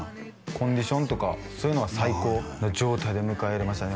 コンディションとかそういうのは最高な状態で迎えられましたね